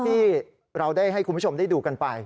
ที่เราได้ให้คุณผู้ชมได้ดูกันไป